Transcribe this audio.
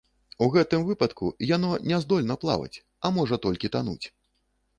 У гэтым выпадку яно не здольна плаваць, а можа толькі тануць.